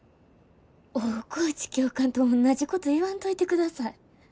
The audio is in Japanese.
大河内教官とおんなじこと言わんといてください。